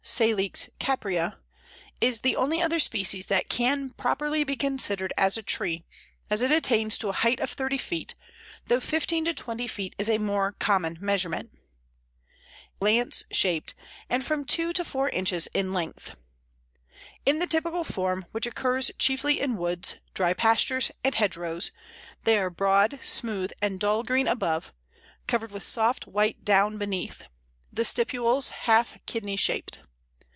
] The Sallow (Salix caprea) is the only other species that can properly be considered as a tree, as it attains to a height of thirty feet, though fifteen to twenty feet is a more common measurement. Its usually egg shaped leaves vary from almost round to elliptical or lance shaped, and from two to four inches in length. In the typical form, which occurs chiefly in woods, dry pastures, and hedgerows, they are broad, smooth, and dull green above, covered with soft white down beneath; the stipules half kidney shaped.